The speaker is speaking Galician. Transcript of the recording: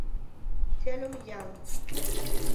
Chelo Millán.